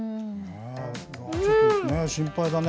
ちょっと心配だね。